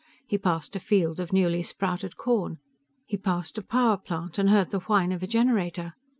He passed a field of newly sprouted corn. He passed a power plant, and heard the whine of a generator.